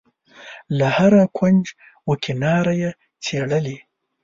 له هره کونج و کناره یې څېړلې.